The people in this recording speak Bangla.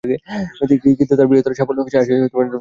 কিন্তু তার বৃহত্তর সাফল্য আসে ঢাকায় তিন দিনের ম্যাচে।